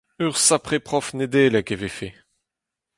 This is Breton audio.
Ur sapre prof Nedeleg e vefe.